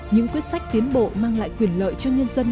những quyết sách tiến bộ mang lại quyền lợi cho nhân dân